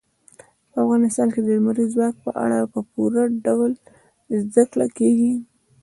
په افغانستان کې د لمریز ځواک په اړه په پوره ډول زده کړه کېږي.